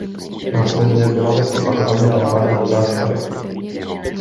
Následně byla ves opakovaně dávána do zástavy.